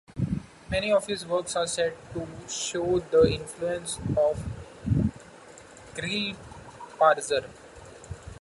Many of his works are said to show the influence of Grillparzer.